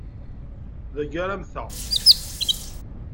Dagi ara mmteγ.